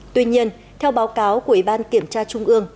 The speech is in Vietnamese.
tuy nhiên theo báo cáo của ủy ban kiểm tra trung ương